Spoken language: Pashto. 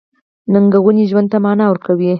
• ننګونې ژوند ته مانا ورکوي.